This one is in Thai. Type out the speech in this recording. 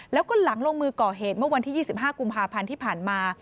แล้วก็หลังลงมือก่อเหตุเมื่อวันที่๒๕กุมภาพันธ์ที่ผ่านมา